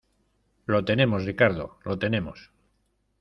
¡ lo tenemos, Ricardo , lo tenemos!